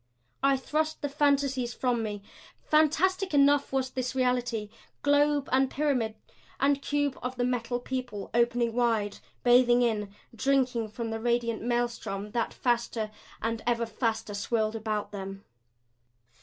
I thrust the fantasies from me. Fantastic enough was this reality globe and pyramid and cube of the Metal People opening wide, bathing in, drinking from the radiant maelstrom that faster and ever faster swirled about them.